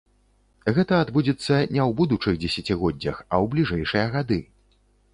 Гэта адбудзецца не ў будучых дзесяцігоддзях, а ў бліжэйшыя гады.